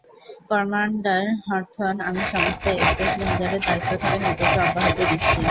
Commander Hawthorne, আমি সমস্ত space রেঞ্জারের দায়িত্ব থেকে নিজেকে অব্যাহতি দিচ্ছি।